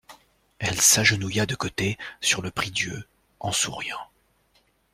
Elle s'agenouilla de côté, sur le prie-dieu, en souriant.